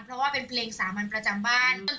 เพราะว่าเป็นเพลงสามัญประจำบ้าน